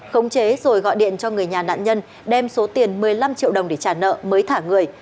khống chế rồi gọi điện cho người nhà nạn nhân đem số tiền một mươi năm triệu đồng để trả nợ